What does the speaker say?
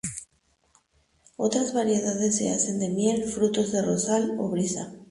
Otras variedades se hacen de miel, frutos de rosal o brisa.